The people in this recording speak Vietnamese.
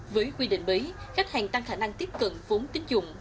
với quy định mới khách hàng tăng khả năng tiếp cận vốn tính dụng